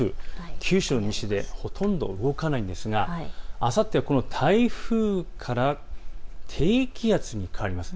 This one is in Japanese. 九州の西でほとんど動かないんですがあさって台風から低気圧に変わります。